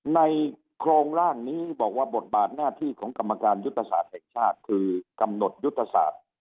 ในโครงร่างนี้บอกว่าบทบาทหน้าที่ของกรรมการยุทธศาสตร์แห่งชาติคือกำหนดยุทธศาสตร์